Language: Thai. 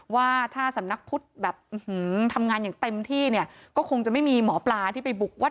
ว่าถ้าสำนักพุทธแบบทำงานอย่างเต็มที่เนี่ยก็คงจะไม่มีหมอปลาที่ไปบุกวัด